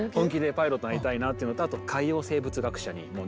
パイロットになりたいなっていうのとあと海洋生物学者？え！